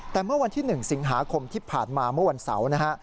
แต่เมื่อวันที่๑สิงหาคมที่ผ่านมาเมื่อวันเสาร์นะฮะ